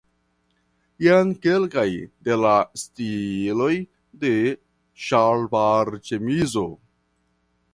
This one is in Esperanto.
Jen kelkaj de la stiloj de ŝalvarĉemizo.